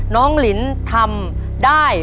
น้องลินทำได้